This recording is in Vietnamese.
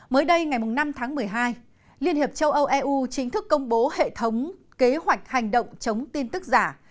mới đây ngày năm tháng một mươi hai liên hiệp châu âu eu chính thức công bố hệ thống kế hoạch hành động chống tin tức giả